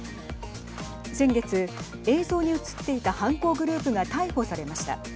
先月、映像に映っていた犯行グループが逮捕されました。